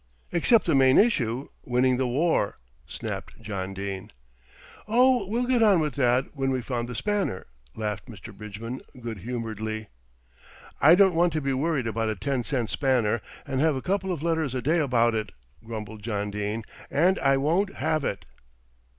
"Except the main issue, winning the war," snapped John Dene. "Oh, we'll get on with that when we've found the spanner," laughed Sir Bridgman good humouredly. "I don't want to be worried about a ten cent spanner, and have a couple of letters a day about it," grumbled John Dene, "and I won't have it."